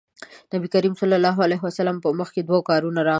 نبي کريم ص په مخکې دوه کارونه راغلل.